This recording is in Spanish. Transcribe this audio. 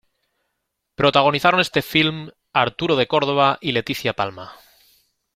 Protagonizaron este filme Arturo de Córdova y Leticia Palma.